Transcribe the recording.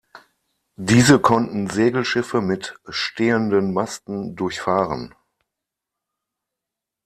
Diese konnten Segelschiffe mit stehenden Masten durchfahren.